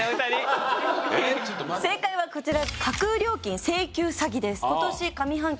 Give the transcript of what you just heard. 正解はこちら。